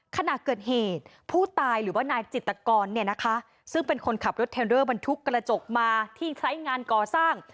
ขณะเกิดเหตุผู้ตายหรือว่านายจิตกรเนี่ยนะคะซึ่งเป็นคนขับรถเทรเดอร์บรรทุกกระจกมาที่ใช้งานก่อสร้าง